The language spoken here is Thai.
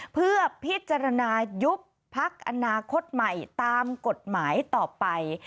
เพื่อพิจารณายุบพักอนาคตใหม่ตามกฎหมายต่อไป